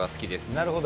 なるほど。